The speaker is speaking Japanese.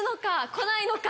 来ないのか？